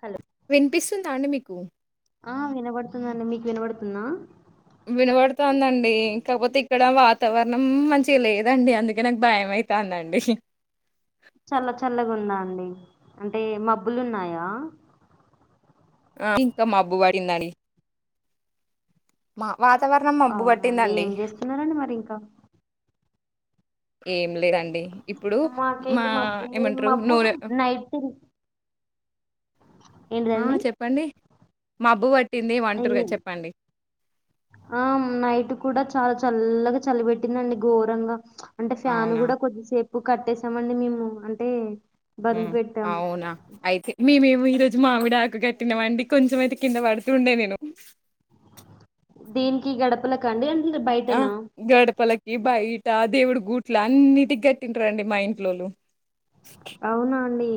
Hello బిస్తుందా అండ మీకు. ఆ వినబడుతుందండి మీకు వినబడుతుందా. వినబడుతుందండి కాకపోతే ఇక్కడ వాతావరణం మంచి లేదండి అందుకే నాకు భయమవుతుందండి. డి అంటే మబ్బులు ఉన్నాయా. ఆ ఇంకా మా అబ్బు పడిందండి. మా వాతావరణం మబ్బు అవునా అండి. పట్టిందండి ఏం చేస్తున్నారండి మరి ఇంకా? ఏం లేదండి ఇప్పుడు మాకెళ్ళి మబ్బు ఏం అంటారు మబ్బు నైట్ హా చెప్పండి మబ్బు పట్టింది అయ్య ఏమంటారుగా చెప్పండి ఆ నైట్ కూడా చాలా చల్లగా చల్లి పెట్టిందండి ఘోరంగా అంటే ఫ్యాన్ అవునా కూడా కొద్దిసేపు. ప్పు కట్టేసామండి మేము అంటే బంద్ మ్మ్ పెట్టాం. అవునా అయితే మీ [unintelligible] ఈ రోజు మామిడి ఆకు కట్టినామండి కొంచెం అయితే కింద పడుతూ ఉండే నేను దీనికి గడపలక అండి అంటే ఆ బయటనా? గడపలకి బయి ట దేవుడు గూట్ల అన్నిటికి గట్టింరండీ మా ఇంట్లోలు అవునా అండి.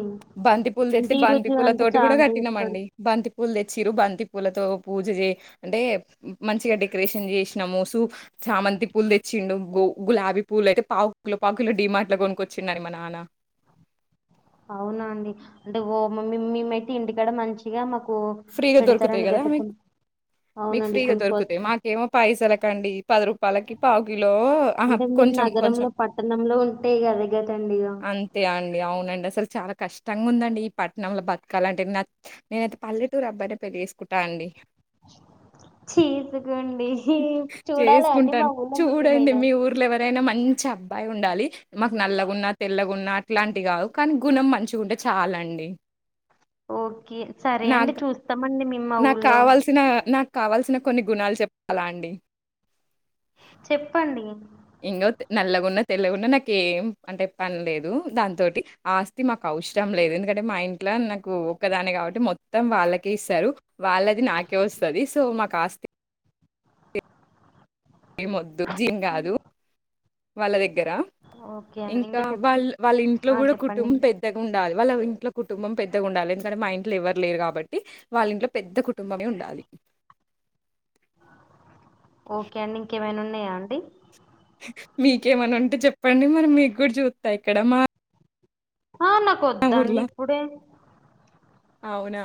బంతి పూలు అంటే తెచ్చతే బంతి ఈరోజు పూల అంటే తోటి చా కూడా అంటే ఎక్కడ కట్టినాంమండి బంతి పూలు పూలు తెచ్చిరు బంతి పూలతో పూజ చే అంటే మంచిగా డెకరేషన్ చేసినాము సూ చామంతి పూలు తెచ్చిండు గు గులాబీ పూలు అయితే పాకులు పాకులు డిమార్ట్ లో కొనుకొచ్చిండని మా నాన్న అవున అండి అంటే ఓ మేమయితే ఇంటికాడ మంచిగా మా ఫ్రీగా దొరుకుతాయి కదా మీకు మీకు అవునండి ఫ్రీగా దొరుకుతాయి కొనుక్కోవచ్చు. మాకేమో పైసల్క్ కండి పది రూపాయలకి పావు లో ఆహా అంటే మీరు కొంచెం, కొంచెం నగరంలో పట్టణంలో ఉంటే గద గదండి ఇగ. అంతే అండి అవును అండి చాలా కష్టంగా ఉందండి. ఈ పట్టణంలో బతకాలంటే నాకు నేనైతే పల్లె ర అబ్బాయినే పెళ్లి చేేసుకుంటా అండి. చేసుకోండి చూడాలి అండి చేసుకుంటాను మా ఊళ్ళో చూడండి మీకేమైనా. మీ ఊర్లో ఎవరైనా మంచి అబ్బాయి ఉండాలి. మాకు నల్లగున్నా, తెల్లగున్నా అట్లాంటివి కావు. కానీ గుణం మంచిగుంటే చాలండి. ఓకే సరే అండి నాకు చూ ఎంతమంది మిమ్మ నాకు ఊర్లో కావాల్సిన నాకు కావాల్సిన కొన్ని గుణాలు చెప్పాలా అండి. చెప్పండి ఇంకో నల్లగున్నా, తెల్లగున్నా నాకు ఏం అంటే పనిలేదు. దాంతోటి ఆస్తి మాకు అవసరం లేదు. ఎందుకంటే మా ఇంట్లో నాకు ఒక్కదాని కాబట్టి మొత్తం వాళ్ళకే ఇస్తారు. వాళ్ళది నాకే వస్తుంది. సో మాకు ఆస్తి ఏ వొద్దు జీం కాదు వాళ్ళ దగ్గరా ఓకే అండి ఇంకా చెప్పండి. వాళ్ళ వాళ్ళ ఇంట్లో ఆ కూడా చెప్పండి కుటుంబం అండి. పెద్దగా ఉండాలి. వాళ్ళ ఇంట్లో కుటుంబం పెద్దగా ఉండాలి. ఎందుకంటే మా ఇంట్లో ఎవరు లేరు, కాబట్టి వాళ్ళ ఇంట్లో పెద్ద కుటుంబమే ఉండాలి. ఓకే అండి ఇంకేమైనా ఉం అన్నయా అండి మీకేమనా ఉంటే చెప్పండి. మరి మీకు కూడా చూస్తా ఇక్కడ మా ఆ నాకొద్దండి. ఊర్లో. ఇప్పుడే అవునా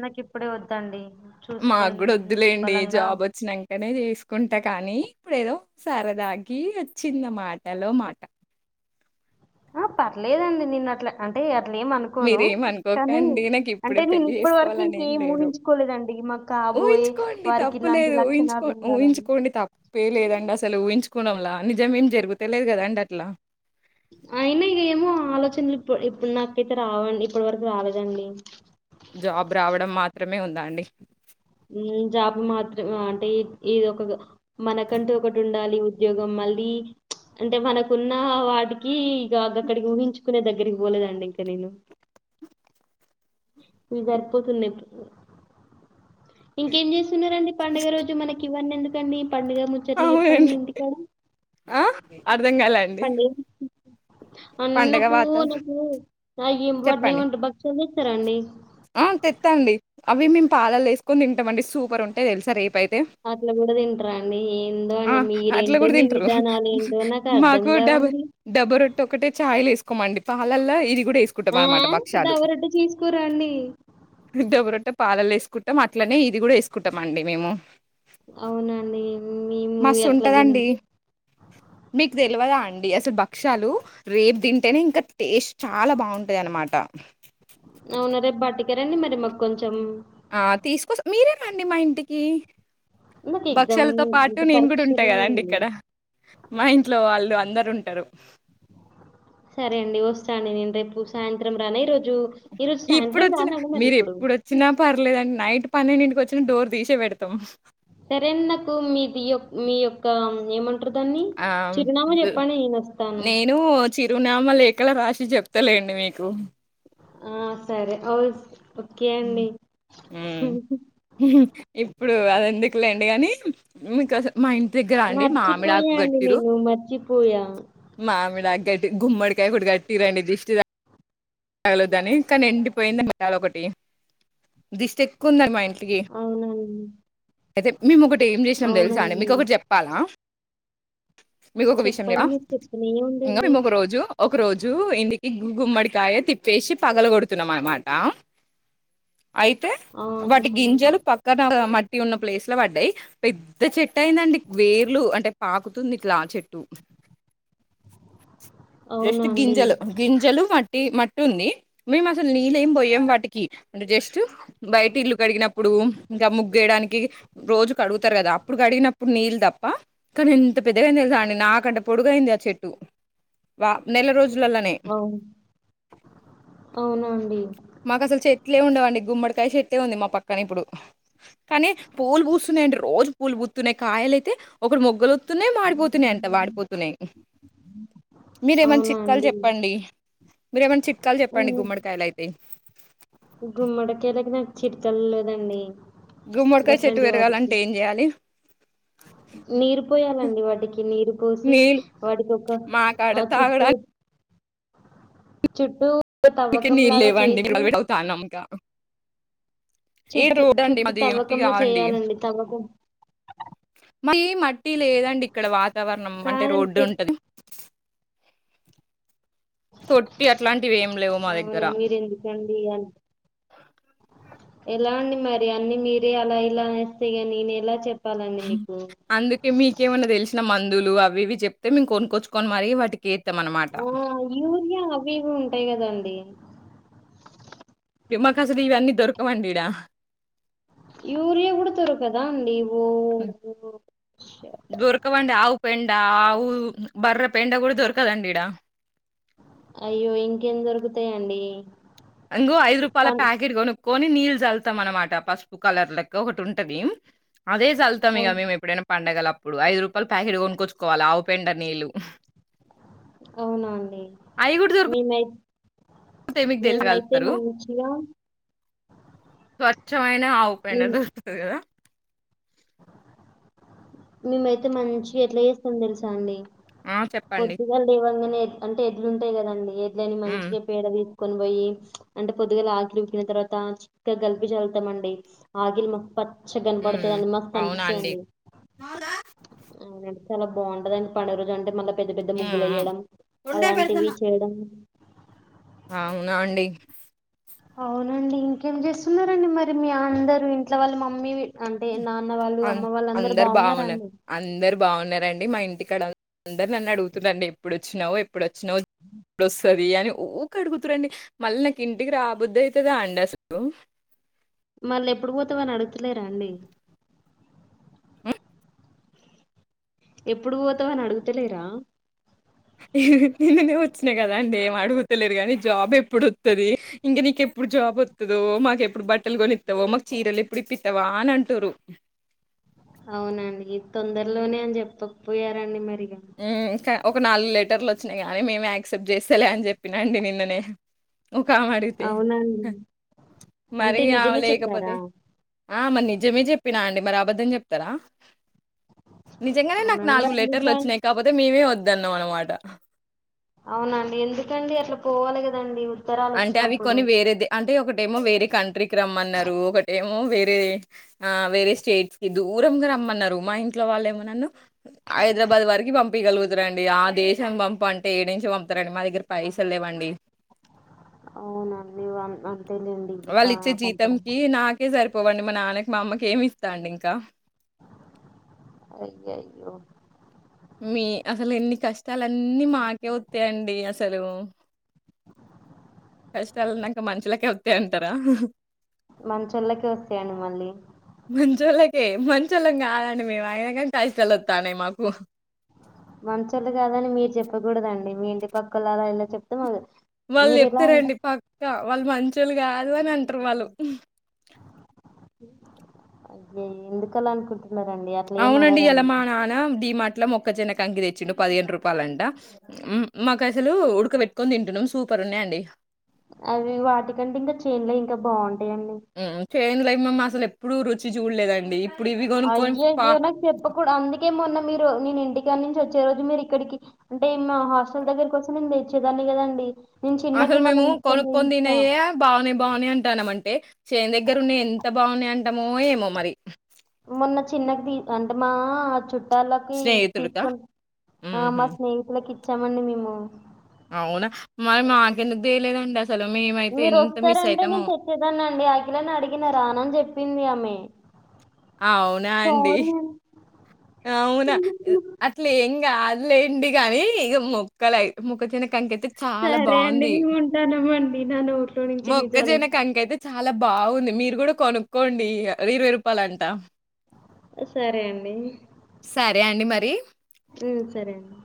నాకి ఇప్పుడే వద్దండి. చూసుకుని మాకు కూడా వద్దులేండి. నిమ్మలంగా జాబ్ వచ్చినాంకనే చే తీసుకుంటా. కానీ ఇప్పుడు ఏదో సరదాగి వచ్చింది మాటలో మాట. ఆ పర్లేదండి. నిన్న అట్లా అంటే అట్లా ఏం అనుకోను మీరేమ కానీ అనుకోకండి. నాకు ఇప్పుడే అంటే నేను పెళ్లి ఇప్పటి వరకు చేసుకోవాలని ఏం ఇంకేం లేదు. ఊహించుకోలేదండి మాకు కాబోయే ఊహించుకోండి వారికి ఇలాంటి తప్పులేదు, ఊహించుకో లక్షణాలు ఉండాలని ఊహించుకోండి తప్పుేలేదండి. అస అసలు ఊహించుకోవడంలా అన్ని జమీన్ అయినా ఇక ఏమో ఆలోచనలు ఇప్పు ఇప్పుడు నాకైతే రావండి, ఇప్పటి వరకు రాలేదండి. జాబ్ రావడం మాత్రమే ఉందా అండి జాబ్ మాత్రం అంటే ఈ ఇదొ ఒక మనకంటూ ఒకటి ఉండాలి. ఉద్యోగం మళ్ళీ ఉచ్ అంటే మనకున్న వాటికి ఇక అక్కడికి ఊహించుకునే దగ్గరికి పోలేదండి. ఇంకా నేను ఇవి సరిపోతుందిప్పుడు ఇంకేం చేస్తున్నారండి. పండుగ రోజు మనకి నన్ను ఎందుకండి పండుగ ముచ్చట్లే చెప్పండి. ఇంటి కాడ అర్థం కాలండి అన్నకూ నాకు అ ఇవన్నీ చెప్పండి వంట బక్షాలే సరే అండి ఆ తెత్తాన్ది అవి మేము పాలల్లో వేసుకొని తింటామండి సూపర్ ఉంటాయ్ తెలుసా రేపైయ్ అట్లా కూడా తింటరా అండి ఏందో ఆ అండి అట్లా మీరేంటో కూడా మీ తింటారు విధానాలు ఏంటో నాకు అర్ధం మాకు కావండి. మండి పాలల్లో ఇది కూడా మావ దవరొట్టె తీసుకోరాం డబరొటేప్ పాలల్లో వేసుకుంటాం అట్లనే ఇది కూడా వేసుకుంటాం అండి మేము అవునండి మేము ఎట్లా తినం మసుంటదండి మీకు తెలవదా అ అండి అసలు భక్ష్యాలు రేపు తింటేనే ఇంకా టేస్ట్ చాలా బాగుంటాయ్ అనమాట అవునా రేపు బాటిక రండి మరి మాకు కొంచెం ఆ తీసుకో మీరే రండి మా ఇంటికి నాకు ఎగ్జామ్ భక్ష్యాలతో పాటు అంటే నేను కూడా పరీక్షలు ఉంటాకదండి ఉన్నాయండి ఇక్కడ మా ఇంట్లో వాళ్ళు అందర్ రుంటారు సరే అండి వస్తాండి నేను రేపు సాయంత్రంరానా ఈ రోజు ఇప్పుడొచ్చిన మీరు ఎప్పుడొచ్చిన పర్లేదన్డి నైట్ పన్నెడింటికి వచ్చిన డోర్ తీసే పెడతాం సరే ఆన్ నాకు మీది మీ యొక్క ఏమంట టార్దాన్ని ఆ! చిరునామా చెప్పండి నేను వస్తాను చిరునామ లేఖలో రాశి చెప్తలేండి మీకు ఉమ్ సరే అవుస్ హమ్ ఇప్పు ఇప్పుడు అది ఎందుకులేండి గానీ మీకస మా ఇంటి దగ్గర అండి మామిడాకు గట్టిరు పోయా మామిడాకూగట్టి గుమ్మడికాయగూడా కట్టి రండి దిష్టి తగల దాని కానీ ఎండిపోయింది మాది ఒకటి దిష్టి ఎక్కువందండి మా ఇంట్లో అవునండి అయితే మేము ఒకటి ఏం చేసినాం తెలుసా అండి అవునండి మీకు ఒకటి చెప్పాలా మీకు ఒక చెప్పండి విషయంవా మీరు చెప్తూనే ఇం ఉండండి మేము ఒక రోజు ఒక రోజు ఇంది గు గుమ్మడికాయ తిప్పేసి పగలు కొడుతున్నాం అనమాట అయితే ఆ, వాటి చెప్పండి ఇంకా గింజలు పక్కన మట్టి ఉన్న ప్లేస్ చేత్ల పడ్డాయి పెద్ద చెట్ అయిందండి వేర్లు అంటే పాకు తుంది ఇట్ల ఆ చెట్టు అవునా జేస్ట్ అండి గింజలు గింజలు ఆ మట్ చెట్టు ఉంది మేము అసలు నీళ్ళు ఏం పోయ్యం వాటికి. అంటే జస్ట్ బయట ఇల్లు కడిగినప్పుడు, ఇంకా ముగ్గేయడానికి, రోజు కడుగుతారు కదా! అప్పుడు కడిగినప్పుడు నీళ్ళు తప్ప కానీ, ఇంత పెద్దగఅయింది తెలుసా అండి. నాకంటే పొడుగయింది ఆ చెట్టు. వా నెల రోజులలోనే అవునండి మాకు అసలు చెట్లే ఉండవండి గుమ్మడికాయ చెట్టే ఉంది. మా పక్కన ఇప్పుడు. కానీ పూలు పూస్తున్నాయండి. రోజు పూలు పూతున్నాయి. కాయలు అయితే ఒకటి గుల్ తున్నాయి మాడిపోతున్నాయి అంట. వాడిపోతున్నాయి. [inaudible] మీరు ఏమన్నా అవునా చిట్కాలు అండి చెప్పండి. మీరేమన్ చిట్ లెక్కలు చెప్పండి గుమ్మడికాయలు గుమ్మడికలక్ తినాక్ చిటికల్ లేదండి. గుమ్మడికాయ చెట్టు గట్లాంటి వాటికి పెరగాలంటే ఏం చేయాలి. నీరు పోయాలండి వాటికి నీరు పోసి నీళ్ళు వాటికి ఒక మాకాడ ఆ చుట్టూ తాగడానికి చుట్టూ మీకు తవ్వకం నీళ్ళు లాగా లేవ అండి చేసి అవుతానుంక చుట్టు అండి చుట్టూ మాది మట్టి తవ్వకంలా కాదండి చేయాలండి తవ్వకం మళ్ళీ మట్టి లేదండి ఇక్కడ వాకి వాతావరణం అంటే కాదండి రోడ్డు చెప్ ఉంటుంది తొట్టి అట్లాంటివి ఏమి లేవు మా దగ్గర. అవునా మీరు ఎందుకండి అన్- ఎలా అండి మరి అన్ని మీరే అలా ఇలా అనేస్తే ఇగ నేను ఎలా చెప్ అందుకే మీకేమన్నా తెలిసినా మందు మందులు అవి ఇవి చెప్తే మేము కొనుకొచ్చుకని మరి వాటికి ఏత్తాం అనమాట ఓ యూరియా అవి ఇవి ఉంటాయి కదా అండి ఇ మా కాసలు ఇవన్నీ దొరకవండి ఈడ యూరియా కూడతురు కదా అండి ఓ దుర్కవాండ అవు పెండ్ ఇడా ఆవు బర్రె పెండ కూడా దొరకదండి ఇడా అయ్యో ఇంకేం దొరుకుతాయండి. ఇంగో ఐదు రూపాయాల పన్ ప్యాకెట్ కొనుక్ కొని నీళ్ళు చల్తాం అనమాట పసుపు కలర్ లెక్క ఒకటి ఉంటది. అదే చల్తాం ఇక అవును. మేము ఎప్పుడైనా పండగల ప్పుడు ఐదు రూపాయలు ప్యాకెట్ కొనుక్కొచ్చుకోవాల ఆవు పెండ నీళ్ళు అవునా అండి అయి గూడా మీమై దొరుకుతాయి మీకు తెలుసా మేమైతే కలుపుతారు. మంచిగా చో [unintelligible] నో ఆవు పెండ మేం దొరుకుతది గదా మేమైతే మంచిగ ఎట్ల జేస్తాం తెలుసా అండి ఆ! చెప్పండి. పొద్దుగల్ లేవంగనే అంటే ఎడ్లు ఉంటాయ్ కదండి ఎడ్లని హ్మ్. మంచిగా పేడ తీసుకొని పోయి అంటే పొద్దుగల ఆకిలి ఊకిన తర్వాత చిక్కగలిపి చల్లుతామండి ఆగిలి మ ప చ్చిగన్ హ్మ్. పడుతదండి మస్త్ అవునా అండి. అనిపిస్సదండి హు హ్మ్ చాలా బావుంటదండి పండుగ రోజు అంటే మళ్ళా పెద్ద పెద్ద హ్మ్. ముగ్గులెయ్యడం అలాంటివి హ్మ్. చేయడం అవునా అండి అవునండి ఇంకేం జేస్సునారండి మరి మీ అందరు ఇంట్లో వాళ్ళ మమ్మీ అంటే నాన్న వాళ్ళు అన్ అమ్మ వాళ్ళు అందరు బావున్నారు బాగున్నారండి అందరు బావున్నారండి మా ఇంటి ఇక్కడ అందరు నన్ను అడుగుతున్నాండి ఎప్పుడు వచ్చినావు ఎప్పుడు వచ్చినావ్ ప్పుడోస్సారి బిర్యానీ ఊకె అడుగుతురండి మళ్ళీ నాకు ఇంటికి రాబుద్ది అయితదా అండి అసలు మళ్ళ ఎప్పుడు వోతవని అడుగుతలేరాండి హ్మ్. ఎప్పుడు వోతావ్ అని అడుగుతలేరా నిన్ననే వచ్చినా కదా అండి ఏం అడుగుతలేరు గానీ జాబ్ ఎప్పుడు వత్తది. ఇంక నీకెప్పుడు జాబ్ వత్తదో మాకు ఎప్పుడు బట్టలు కొనిత్తవో, మాకు చీరలు ఎప్పుడు ఇప్పి త్తవా అని అంటుర్రు. అవునండి తొందరలోనే అని చెప్పకపోయారండి మరి యే ఎ ఇంకా ఒక నాలుగు లెటర్లు వచ్చినాయి గానీ మేమే యాక్సెప్ట్ జేస్తలే అని చెప్పినాండి నిన్ననే ఒక ఆమె అడిగితే అవునండి హ్ అంటే మరి ఆమె నిజమే లేకపోతే చెప్పారా ఆ మరి నిజమే జెప్పినాండి మరి అబద్ధం జెప్తరా నిజంగానే నాకు అవునండి నాలుగు మరి ఎందుకు లెటర్లు జాయిన్ వచ్చినాయ్ మేమే వద్దన్నాం అనమాట అవునాండి ఎందుకండి అట్లా పోవాలె గదండి అంటే అవి కొన్ని వేరేది అంటే ఒక డెమో వేరే కంట్రీకి రమ్మన్నారు ఒకటేమో వేరే ఆ వేరే స్టేట్స్ కి దూరంగా రమ్మన్నారు మా ఇంట్లో వాళ్ళు ఏమో నన్ను హైదరాబాద్ వరికి పంప్ పిగలుగుతారండి ఆ దేశం పంప అంటే ఏడి నుంచి పంపుతారండి మా దగ్గర పైసలు లేవండి అవునాండి ఇవ్వన్ అన్ వాళ్ళు ఇచ్చే జీతం కి నాకే సరి పోవండి మా నాన్నకి మా అమ్మకి ఏమి ఇస్తాడు ఇంకా అయ్య అయ్యో మీ అసలు ఎన్ని కష్టాలున్నీ మాకే వత్తాయి అండి అసలు కష్టాలన్నాక మనుషులకే వత్తాయి అంటారా మంచొల్లకే వస్తాయి మళ్ళీ ఏం మంచోళం కాదండి మేము అయిన గాని కష్టాలువతాన్నాయి మాకు మంచొల్లు కాదని మీరు చెప్పకూడదండి మీ ఇంటి పక్కల అలా ఇలా చెప్తా మా వాళ్ళు చెప్తారండి పక్క వాళ్ళు మంచి లు కాదు అని అంటారు వాళ్ళు అదే ఎందుకలా అనుకుంటు అవునండి ఈ వల మా నాన్న డి మార్ట్ ఇట్లా మొక్క చెన్న కంకి తెచ్చిండు పదిహేండు రూపాయలంట మాకు అసలు ఉడక పెెట్కొని తింటున్నాం సూపర్ ఉన్నాయియంండి అవి వాటికంటే ఇంకా చేన్లే ఇంకా బాగుంటయి చెంలో ఏమేమి అసలు ఎప్పుడు రుచి చూడలేదండి ఇప్పుడు ఇవి కొనుక్కొని అయ్య పా అయ్యో నాకు చెప్పకూదు అందుకేమొన్నా మీరు నేను ఇంటికాడి నుంచి వచ్చే రోజు మీరు ఇక్కడికి అంటే మా హాస్టల్ దగ్గరకి వచ్చనడిచ్చేదాన్ని కదండి నేను చిన్నకి అసలు మొన్న మేము తీసుకొని పోయి కొనుక్కొని ఇచ్చా తినేవే బాగానే బాగానే ఉంటున్నాం అంటే చేన్ దగ్గర ఉన్న ఎంత బాగున్నాయి అంటామో ఏమో మరి మొన్న చిన్నకి తీసు అంటేమా ఆ చుట్టూ ళ్ళకి స్నేహితుడికా? తీసుకుని హుహు. మా స్నేహితులకి చెమండి మేము అవునా మరి మాక ఎందుకు తెేలేదు అండి మీరు వస్తారంటే నేను తెచ్చేదాన్ని అండి అఖిలాని అడిగిన రాను అని చెప్పింది ఆమె [inaudible] అవునా అండి అవునా అట్లే ఏం కాదు లేండి గానీ ఇ మొక్కలు మొక్క జన్మ సరే అండి మేము ఉంటానము మీనా నోట్లో నుంచి నిజాలు అలా బాగుంది మీరు కూడా కొనుక్కోండి ఇరవై రూపాయల అంట సరే అండి సరే అండి మరి ఉమ్, సరే అండి